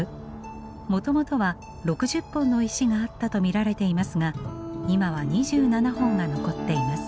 もともとは６０本の石があったと見られていますが今は２７本が残っています。